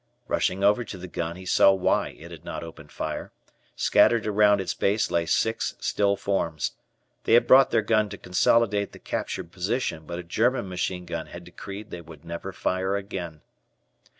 Rushing over to the gun, he saw why it had not opened fire. Scattered around its base lay six still forms. They had brought their gun to consolidate the captured position, but a German machine gun had decreed they would never fire again.